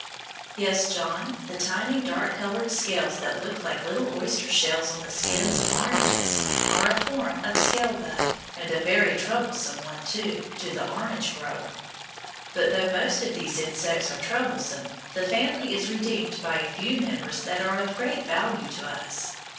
Yes, John, the tiny, dark colored scales that look like little oyster shells on the skins of oranges are a form of scale bug, and a very troublesome one, too, to the orange grower. But though most of these insects are troublesome, the family is redeemed by a few members that are of great value to us.